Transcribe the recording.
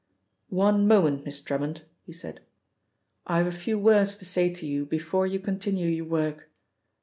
"One moment, Miss Drummond," he said. "I have a few words to say to you before you continue your work.